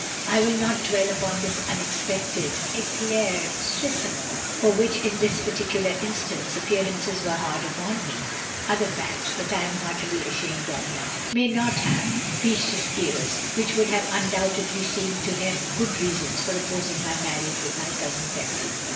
I will not dwell upon this unexpected iclaircissement^ for al though in this particular instance appearances were hard upon me, other facts (that I am heartily ashamed of now) may not have reached his ears, which would have undoubtedly seemed to him good reasons for opposing my marriage with my cousin Tempy.